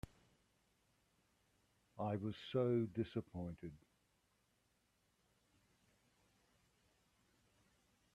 I was so dissapointed.